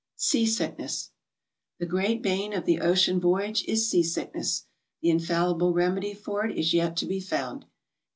| SEASICKNESS. \ The great bane of the ocean voyage is seasickness. The | infallible remedy for it is yet to be found.